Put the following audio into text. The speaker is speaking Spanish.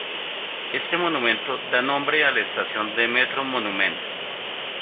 Este monumento da nombre a la Estación de Metro Monument.